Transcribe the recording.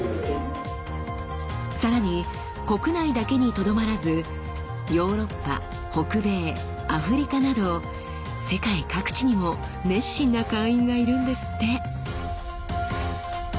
さらに国内だけにとどまらずヨーロッパ北米アフリカなど世界各地にも熱心な会員がいるんですって。